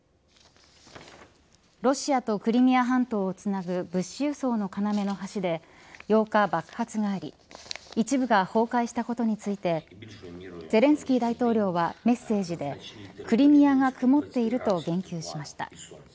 ロシアとクリミア半島をつなぐ物資輸送の要の橋で８日、爆発があり一部が崩壊したことについてゼレンスキー大統領はメッセージでクリミアが曇っていると言及しました。